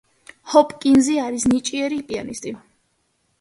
ჰოპკინზი არის ნიჭიერი პიანისტი.